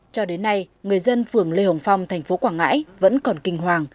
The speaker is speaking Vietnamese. cho đến nay người dân phường lê hồng phong thành phố quảng ngãi vẫn còn kinh hoàng